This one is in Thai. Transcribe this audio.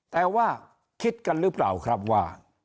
แต่ว่าคิดกันหรือเปล่าครับว่า